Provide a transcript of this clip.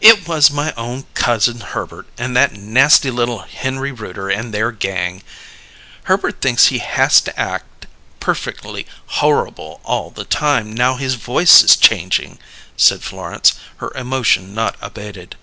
"It was my own cousin, Herbert, and that nasty little Henry Rooter and their gang. Herbert thinks he hass to act perfectly horrable all the time, now his voice is changing!" said Florence, her emotion not abated.